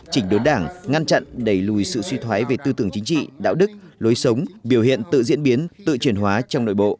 chỉnh đốn đảng ngăn chặn đẩy lùi sự suy thoái về tư tưởng chính trị đạo đức lối sống biểu hiện tự diễn biến tự chuyển hóa trong nội bộ